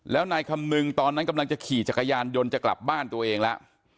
แล้วนายคำนึงตอนนั้นกำลังจะขี่จักรยานยนต์จะกลับบ้านตัวเองแล้ว